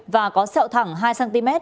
và có sẹo thẳng hai cm